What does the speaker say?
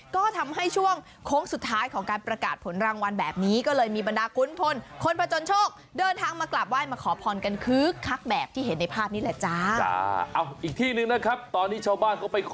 ก็ทำให้ช่วงโค้งสุดท้ายของการประกาศผลรางวัลแบบนี้ก็เลยมีบรรดาคุณพลคนผจญโชคเดินทางมากราบไห้มาขอพรกันคึกคักแบบที่เห็นในภาพนี้แหละจ้า